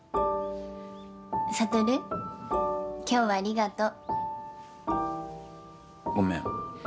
悟今日はありがとう。ごめん。